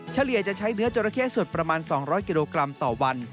เฉลี่ยจะใช้เนื้อจราเข้สดประมาณ๒๐๐กิโลกรัมต่อวัน